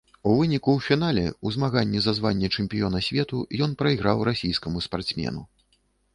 У выніку ў фінале ў змаганні за званне чэмпіёна свету ён прайграў расійскаму спартсмену.